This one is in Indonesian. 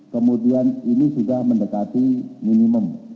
kemudian ini sudah mendekati minimum